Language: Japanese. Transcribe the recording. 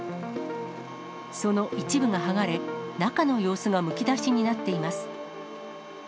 その一部が剥がれ、中の様子がむき出しになっています。